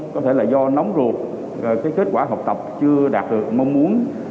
có thể là do nóng ruột cái kết quả học tập chưa đạt được mong muốn